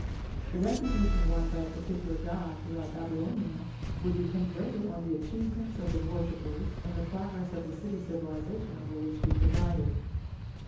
The reputation won by a particular god throughout Babylonia would depend greatly on the achievements of his worshippers and the progress of the city civilization over which he presided.